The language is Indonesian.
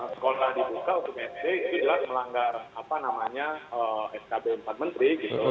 sekolah dibuka untuk sd itu jelas melanggar apa namanya skb empat menteri gitu